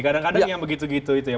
kadang kadang yang begitu gitu itu ya